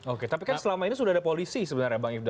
oke tapi kan selama ini sudah ada polisi sebenarnya bang ifdal